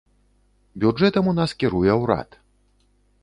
Бюджэтам у нас кіруе ўрад.